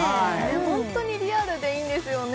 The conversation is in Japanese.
ホントにリアルでいいんですよね